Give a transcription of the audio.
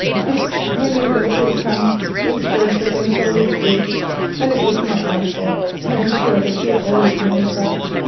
"I knew that it would come, those dreadful things always do—and it was not my fault—I am sure you will always remember that.